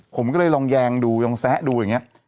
ผมก็เลยลองแยงดูยองแซะดูอย่างนี้